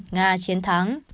nga chiến thắng